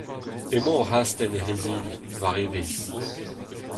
Emañ oc'h astenn hec'h izili, war evezh.